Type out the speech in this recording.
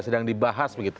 sedang dibahas begitu